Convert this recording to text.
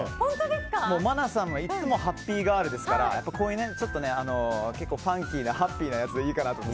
真奈さんはいつもハッピーガールですからこういう結構ファンキーでハッピーなやつがいいかなって。